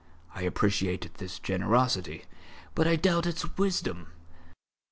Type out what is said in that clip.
I appreciate its generosity, but I doubt its wisdom.